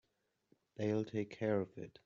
They'll take care of it.